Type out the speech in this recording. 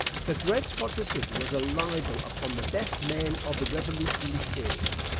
The Dred Scott decision was a libel upon the best men of the Revolutionary period.